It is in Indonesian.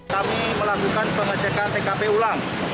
kami melakukan pengecekan tkp ulang